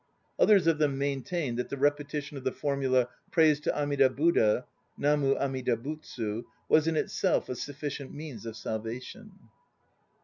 Others of them main tained that the repetition of the formula "Praise to Amida Buddha" (Mantu Amida Butsu) was in itself a sufficient means of salvation.